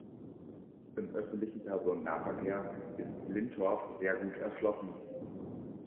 Im öffentlichen Personennahverkehr ist Lintorf sehr gut erschlossen.